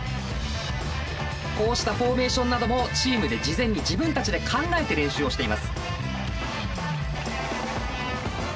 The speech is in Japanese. こうしたフォーメーションなどもチームで事前に自分たちで考えて練習をしています。